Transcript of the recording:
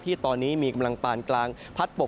ที่ตอนนี้มีกำลังปานกลางพัดปก